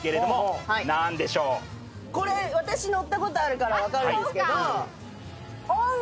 これ私乗ったことあるから分かるんですけど。